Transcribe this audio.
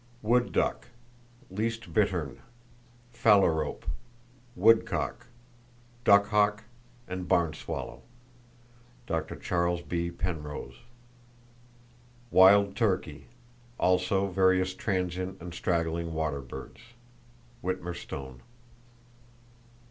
Wood duck, least bittern, phalarope, woodcock, duck hawk and barn swallow.—(Dr. Chas. B. Penrose.) Wild turkey; also various transient and straggling water birds.—(Witmer Stone.)